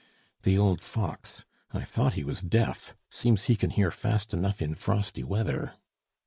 "The old fox! I thought he was deaf; seems he can hear fast enough in frosty weather."